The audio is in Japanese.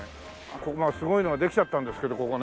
ここがすごいのができちゃったんですけどここね。